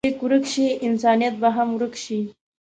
که لیک ورک شي، انسانیت به هم ورک شي.